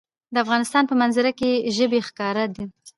د افغانستان په منظره کې ژبې ښکاره ده.